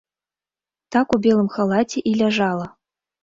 Так у белым халаце і ляжала.